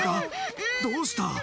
どうした？